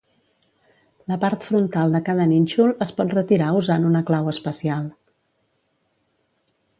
La part frontal de cada nínxol es pot retirar usant una clau especial.